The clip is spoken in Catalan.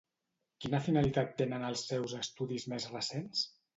Quina finalitat tenen els seus estudis més recents?